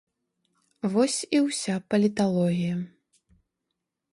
Вось і ўся паліталогія.